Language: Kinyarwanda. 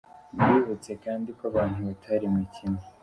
Mbibutse kandi ko abantu bataremye kimwe.